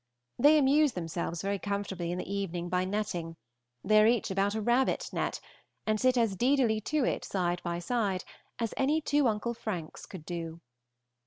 They amuse themselves very comfortably in the evening by netting; they are each about a rabbit net, and sit as deedily to it, side by side, as any two Uncle Franks could do.